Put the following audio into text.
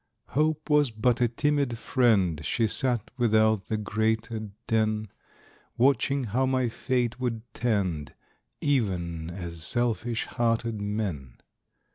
Hope Was but a timid friend; She sat without the grated den, Watching how my fate would tend, Even as selfish hearted men.